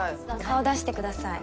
顔出してください。